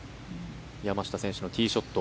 山下選手のティーショット。